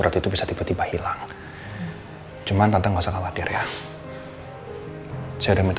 rena itu anaknya roy